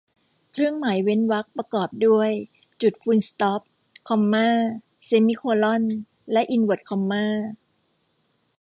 เครื่องหมายเว้นวรรคประกอบด้วย จุดฟูลสต๊อป คอมม่า เซมิโคล่อน และอินเวิร์ทคอมม่า